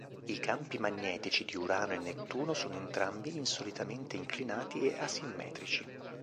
I campi magnetici di Urano e Nettuno sono entrambi insolitamente inclinati e asimmetrici.